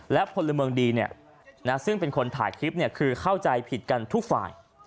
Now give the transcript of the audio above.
และพลเมืองดีซึ่งเป็นคนถ่ายคลิปคือเข้าใจผิดกันทุกฝ่าย